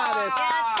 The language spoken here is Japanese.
やった！